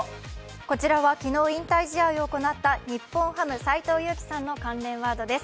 こちらは昨日、引退試合を行った日本ハム、斎藤佑樹さんの関連ワードです。